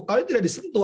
kalau tidak disentuh